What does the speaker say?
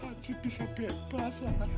haji bisa bebas ya allah